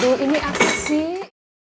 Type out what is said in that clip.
aduh aduh ini apa sih